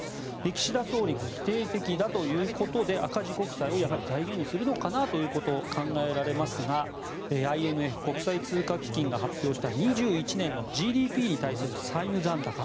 岸田総理が否定的だということで赤字国債をやはり財源にするのかなということを考えられますがＩＭＦ・国際通貨基金が発表した２０２１年のＧＤＰに対する債務残高